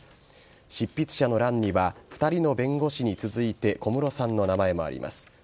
執筆者の欄には２人の弁護士に続いて小室さんの名前もあります。